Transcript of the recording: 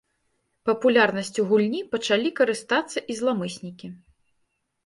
Папулярнасцю гульні пачалі карыстацца і зламыснікі.